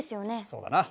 そうだな。